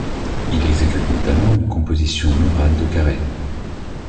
Il exécute notamment une composition murale de carrés.